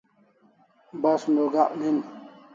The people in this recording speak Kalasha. Basun o gak nin